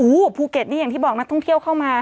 โอ้โหภูเก็ตนี่อย่างที่บอกนักท่องเที่ยวเข้ามา